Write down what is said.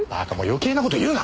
余計な事言うな。